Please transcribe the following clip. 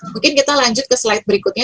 mungkin kita lanjut ke slide berikutnya